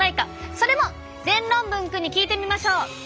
それも全論文くんに聞いてみましょう。